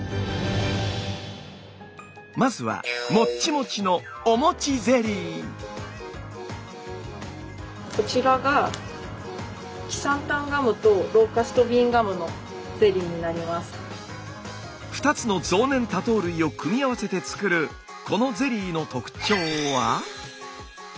まずはもっちもちの２つの増粘多糖類を組み合わせて作るこのゼリーの特徴は？